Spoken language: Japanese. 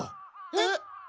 えっ？